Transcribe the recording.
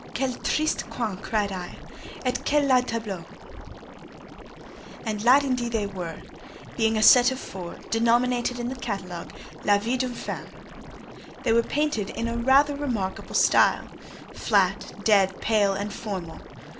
"Quel triste coin!" cried I, "et quelles laids tableaux!" And "laids," indeed, they were; being a set of four, denominated in the catalogue "La vie d'une femme." They were painted rather in a remarkable style—flat, dead, pale, and formal.